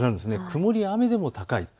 曇り、雨でも高い。